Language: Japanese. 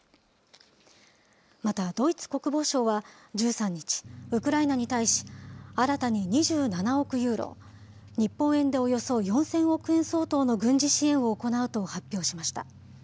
またドイツ国防省は１３日、ウクライナに対し、新たに２７億ユーロ、日本円でおよそ４０００億円相当の軍事支援を行うと発表しました。